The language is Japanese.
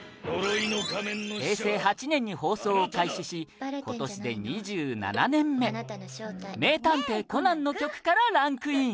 平成８年に放送を開始し今年で２７年目『名探偵コナン』の曲からランクイン